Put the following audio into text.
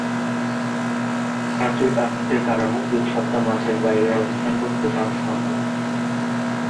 হাঁটুর আঘাতের কারণে তিন সপ্তাহ মাঠের বাইরে অবস্থান করতে বাধ্য হন।